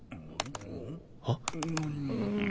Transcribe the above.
あっ。